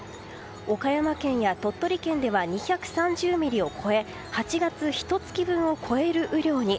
岡山県や鳥取県では２３０ミリを超え８月ひと月分を超える雨量に。